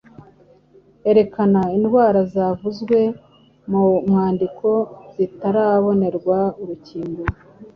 Erekana indwara zavuzwe mu mwandiko zitarabonerwa urukingo.